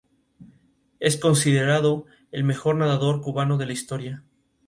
Es considerado el mejor nadador cubano de la historia.